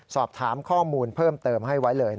สอบถามข้อมูลเพิ่มเติมให้ไว้เลย